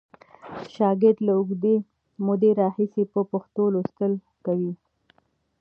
شاګرد له اوږدې مودې راهیسې په پښتو لوستل کوي.